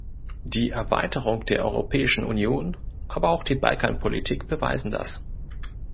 Die Erweiterung der Europäischen Union, aber auch die Balkanpolitik beweisen das.